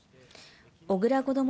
小倉こども